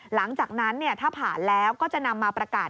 หลังจากนั้นถ้าผ่านแล้วก็จะนำมาประกาศ